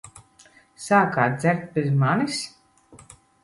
Sākāt dzert bez manis?